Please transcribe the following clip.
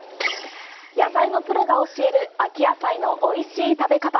野菜のプロが教える、秋野菜の美味しい食べ方。